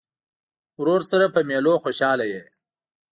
ورور سره په مېلو خوشحاله یې.